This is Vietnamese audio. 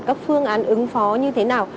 các phương án ứng phó như thế nào